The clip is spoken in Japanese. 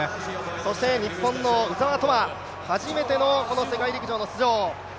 そして日本の鵜澤飛羽、初めての世界陸上の出場。